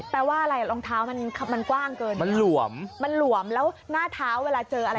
แปลว่าอะไรรองเท้ามันมันกว้างเกินมันหลวมมันหลวมแล้วหน้าเท้าเวลาเจออะไร